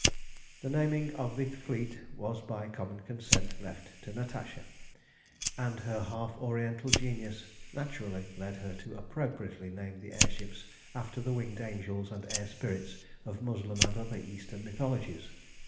The naming of the fleet was by common consent left to Natasha, and her half oriental genius naturally led her to appropriately name the air ships after the winged angels and air spirits of Moslem and other Eastern mythologies.